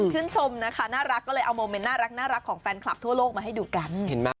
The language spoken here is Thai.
ชมนะคะน่ารักก็เลยเอาโมเมนต์น่ารักของแฟนคลับทั่วโลกมาให้ดูกันเห็นไหม